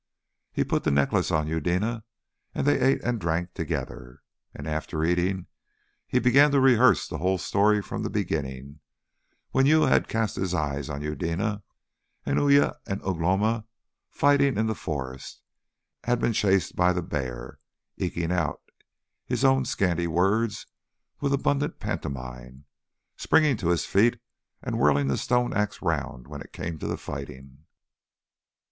He put the necklace on Eudena, and they ate and drank together. And after eating he began to rehearse the whole story from the beginning, when Uya had cast his eyes on Eudena, and Uya and Ugh lomi, fighting in the forest, had been chased by the bear, eking out his scanty words with abundant pantomime, springing to his feet and whirling the stone axe round when it came to the fighting.